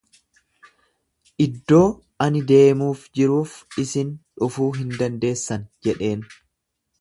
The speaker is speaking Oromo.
Iddoo ani deemuuf jiruuf isin dhufuu hin dandeessan jedheen.